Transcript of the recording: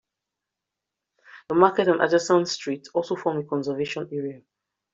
The market and adjacent streets also form a conservation area.